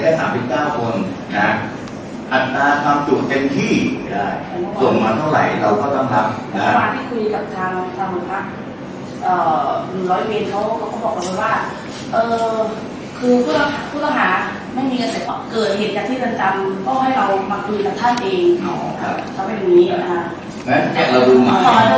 แล้วภาวะดูหมายของนักศึกษาเขามีงานแหละ